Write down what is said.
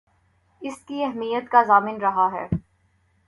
اس کی اہمیت کا ضامن رہا ہے